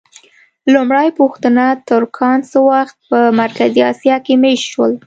لومړۍ پوښتنه: ترکان څه وخت په مرکزي اسیا کې مېشت شول؟